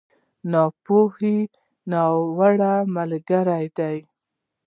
ناپوهي، ناوړه ملګری دی.